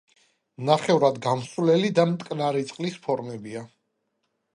ნახევრად გამსვლელი და მტკნარი წყლის ფორმებია.